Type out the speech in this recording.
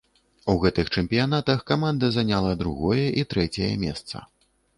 У гэтых чэмпіянатах каманда заняла другое і трэцяе месца.